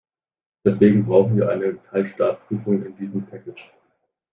Deswegen brauchen wir eine Kaltstartprüfung in diesem package .